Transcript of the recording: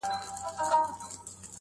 په وطن کي نه مکتب نه مدرسه وي -